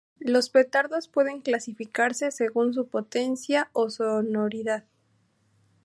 Los petardos pueden clasificarse, según su potencia o sonoridad.